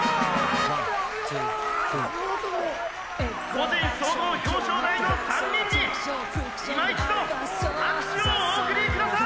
「個人総合表彰台の３人にいま一度拍手をお送りください！」